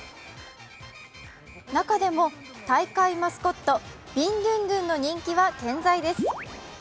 中でも大会マスコットビンドゥンドゥンの人気は健在です。